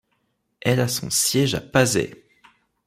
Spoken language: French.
Elle a son siège à Pasay.